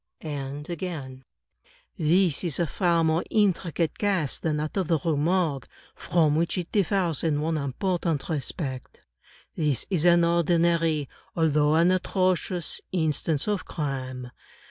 And again: "This is a far more intricate case than that of the Rue Morgue; from which it differs in one important respect. This is an ordinary, although an atrocious instance of crime.